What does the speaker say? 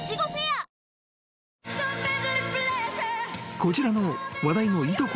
［こちらの話題のいとこ